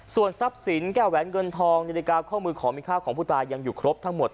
ส่วนทรัพย์สินแก้วแหวนเงินทองนาฬิกาข้อมือขอมีข้าวของผู้ตายยังอยู่ครบทั้งหมด